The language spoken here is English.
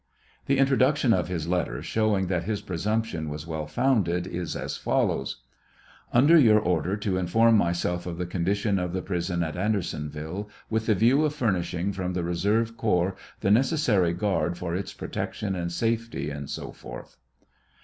The introduction of his letter, Showing that his presumption was well founded, is as follows : Under your order to inform myself of the condition of the prison at Andersoaville, with the view of furnishing from the reserve corps the necessary guard for its protection and safety, &c. Dr.